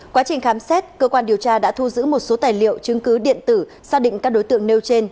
quá trình khám xét cơ quan điều tra đã thu giữ một số tài liệu chứng cứ điện tử xác định các đối tượng nêu trên